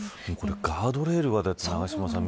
ガードレールまで。